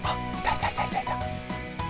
いたいた、いたいた！